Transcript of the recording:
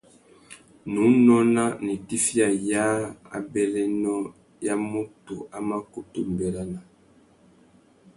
Nnú nôna nà itifiya yâā abérénô ya mutu a mà kutu mʼbérana.